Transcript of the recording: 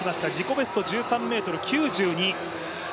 ベスト１３ｍ９２。